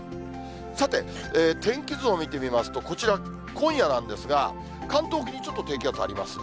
さて、天気図を見てみますと、こちら、今夜なんですが、関東沖にちょっと低気圧ありますね。